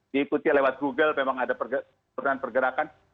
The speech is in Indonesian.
diikuti lewat google memang ada pergerakan pergerakan